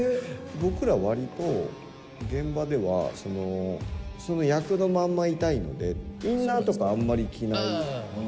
僕ら、割と現場ではその役のまんまいたいので、インナーとかあんま着ない。